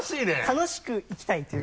楽しく生きたいっていう。